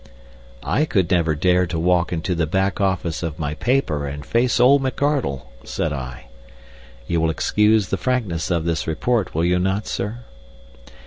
"I could never dare to walk into the back office of my paper and face old McArdle," said I. (You will excuse the frankness of this report, will you not, sir?)